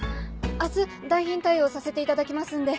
明日代品対応させていただきますんで。